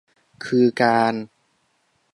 คือการ